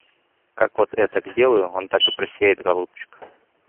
Как вот этак сделаю, он так и просияет, голубчик.